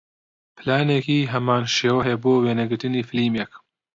پلانێکی هەمان شێوە هەیە بۆ وێنەگرتنی فیلمێک